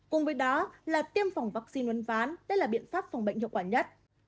cùng với đó là tiêm phòng vaccine uốn ván đây là biện pháp phòng bệnh hiệu quả nhất